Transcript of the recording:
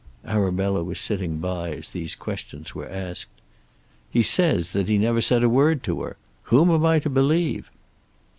Arabella was sitting by as these questions were asked. "He says that he never said a word to her. Whom am I to believe?"